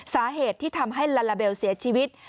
สาเหตุที่ทำให้ลาลาเบลเสียชีวิต